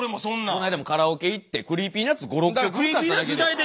この間もカラオケ行ってＣｒｅｅｐｙＮｕｔｓ５６曲歌っただけで。